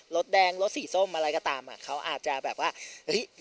รถแดงรถสีส้มอะไรก็ตามอ่ะเขาอาจจะแบบว่าเฮ้ย